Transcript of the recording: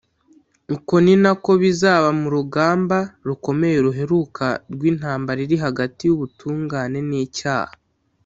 uko ni nako bizaba mu rugamba rukomeye ruheruka rw’intambara iri hagati y’ubutungane n’icyaha